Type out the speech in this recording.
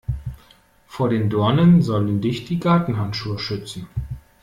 Vor den Dornen sollen dich die Gartenhandschuhe schützen.